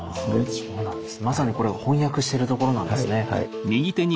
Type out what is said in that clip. まさにこれ翻訳してるところなんですね。